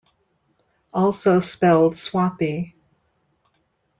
Also spelled Swathi.